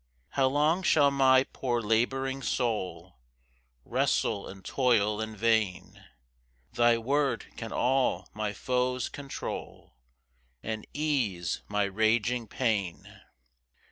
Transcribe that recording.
2 How long shall my poor labouring soul Wrestle and toil in vain? Thy word can all my foes control, And ease my raging pain.